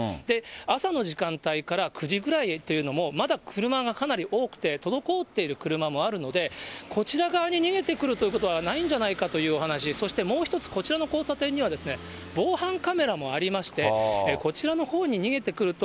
朝の時間帯から９時くらいというのも、まだ車がかなり多くて、滞っている車もあるので、こちら側に逃げてくるということはないんじゃないかというお話、そしてもう一つ、こちらの交差点には防犯カメラもありまして、こちらのほうに逃げてくると、